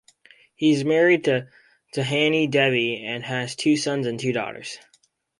He is married to Dhani Devi and has two sons and two daughters.